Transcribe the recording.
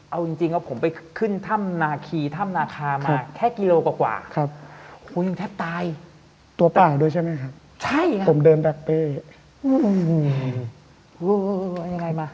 เอาจริงก็ผมไปขึ้นท่ามนาฮีท่ามนาฮามา